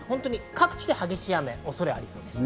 各地で激しい雨の恐れがあります。